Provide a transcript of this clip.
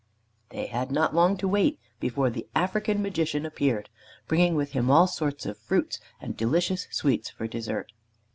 They had not long to wait before the African Magician appeared, bringing with him all sorts of fruits and delicious sweets for desert.